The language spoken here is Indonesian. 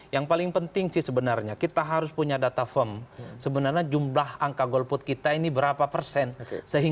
yang paling penting sih sebenarnya kita harus punya data firm sebenarnya jumlah angka golput kita ini berapa persen